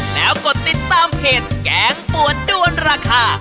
แล้วกดติดตามเพจแกงปวดด้วนราคา